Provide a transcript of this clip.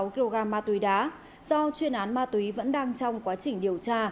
sáu kg ma túy đá do chuyên án ma túy vẫn đang trong quá trình điều tra